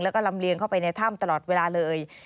แล้วก็ลำเลียงเข้าไปในถ้ำตลอดเวลาเลย